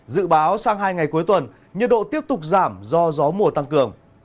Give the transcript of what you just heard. dự báo sang hai ngày cuối tuần nhiệt độ tiếp tục giảm do gió mùa tăng cường